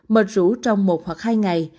mệt rũ trong một hoặc hai ngày